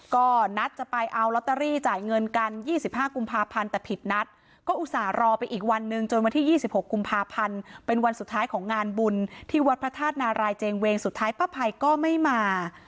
ก็นัดจะไปเอาลอตเตอรี่จ่ายเงินกัน๒๕กุมภาพันธ์แต่ผิดนัดก็อุตส่าห์รอไปอีกวันนึงจนวันที่๒๖กุมภาพันธ์เป็นวันสุดท้ายของงานบุญที่วัดพระธาตุนารายเจงเวงสุดท้ายป้าภัยก็ไม่มา